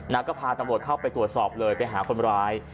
ก็พาตำรวจเข้าไปตรวจสอบเลยไปหาคนร้าย